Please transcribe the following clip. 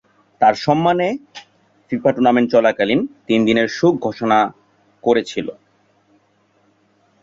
তার সম্মানে FIFA tournament চলাকালীন তিন দিনের শোক ঘোষণা করেছিলো।